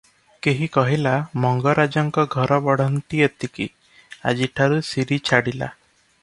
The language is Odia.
କେହି କହିଲା ମଙ୍ଗରାଜଙ୍କ ଘର ବଢ଼ନ୍ତି ଏତିକି, ଆଜିଠାରୁ ଶିରୀ ଛାଡ଼ିଲା ।